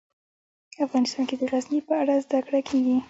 افغانستان کې د غزني په اړه زده کړه کېږي.